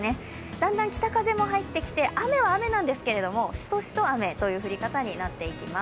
だんだん北風も入ってきて雨は雨なんですけどしとしと雨という降り方になっていきます。